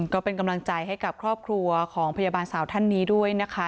ก็เป็นกำลังใจให้กับครอบครัวของพยาบาลสาวท่านนี้ด้วยนะคะ